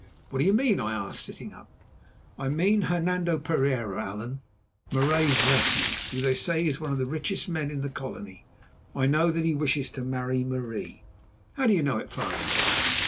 "What do you mean?" I asked, sitting up. "I mean Hernando Pereira, Allan, Marais's nephew, who they say is one of the richest men in the Colony. I know that he wishes to marry Marie." "How do you know it, father?"